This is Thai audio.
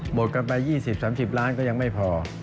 กันไป๒๐๓๐ล้านก็ยังไม่พอ